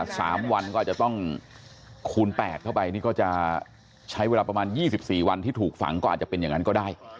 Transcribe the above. สามวันก็อาจจะต้องคูณแปดเข้าไปนี่ก็จะใช้เวลาประมาณยี่สิบสี่วันที่ถูกฝังก็อาจจะเป็นอย่างนั้นก็ได้